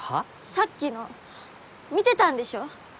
さっきの見てたんでしょ？